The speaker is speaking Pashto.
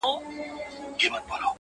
نن بيا يوې پيغلي په ټپه كـي راتـه وژړل؛